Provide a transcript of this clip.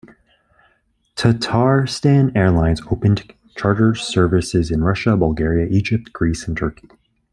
Tatarstan Airlines operated charter services in Russia, Bulgaria, Egypt, Greece and Turkey.